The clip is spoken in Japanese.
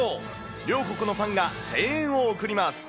両国のファンが声援を送ります。